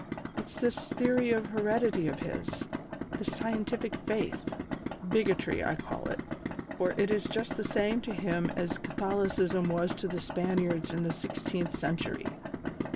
It's this theory of heredity of his this scientific faith bigotry, I call it, for it is just the same to him as Catholicism was to the Spaniards in the sixteenth century.